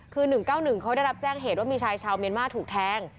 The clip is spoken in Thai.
คือ๑๙๑เขาได้รับแจ้งเหตุว่ามีชายชาวเมียนมาร์ถูกแทง